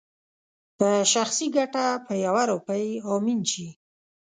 په شخصي ګټه په يوه روپۍ امين شي